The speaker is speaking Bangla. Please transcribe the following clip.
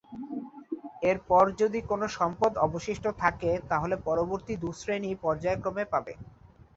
এরপর যদি কোন সম্পদ অবশিষ্ট থাকে তাহলে পরবর্তী দু শ্রেণী পর্যায়ক্রমে পাবে।